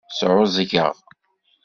Sɛuẓẓgeɣ.